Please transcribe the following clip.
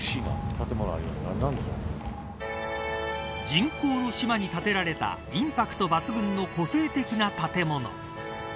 人工の島に建てられたインパクト抜群の個性的な建物。